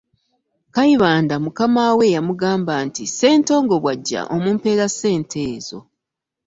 Kayibanda mukama we yamugamba nti Ssentongo bw’ajja omumpeera ssente ezo.